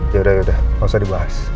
ya udah ya udah nggak usah dibahas